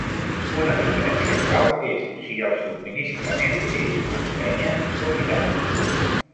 Una diferència clau és si el subministrament és "empènyer" o "tirar".